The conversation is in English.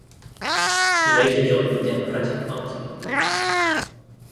He later joined the Democratic Party.